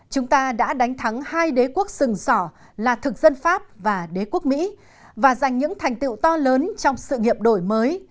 chúng ta đã đánh thắng hai đế quốc sừng sỏ là thực dân pháp và đế quốc mỹ và giành những thành tiệu to lớn trong sự nghiệp đổi mới